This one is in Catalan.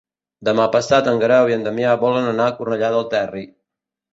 Demà passat en Guerau i en Damià volen anar a Cornellà del Terri.